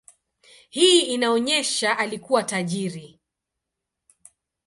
Hii inaonyesha alikuwa tajiri.